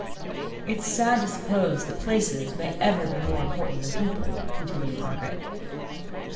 "It is sad to suppose that places may ever be more important than people," continued Margaret.